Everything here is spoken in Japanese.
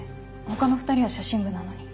他の２人は写真部なのに。